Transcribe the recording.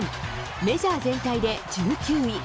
メジャー全体で１９位。